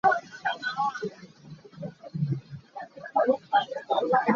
Hnawm ponnak mawtaw kan herh ngai ngai.